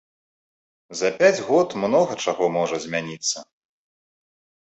За пяць год многа чаго можа змяніцца.